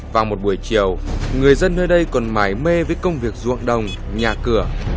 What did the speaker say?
vào một buổi chiều người dân nơi đây còn mải mê với công việc ruộng đồng nhà cửa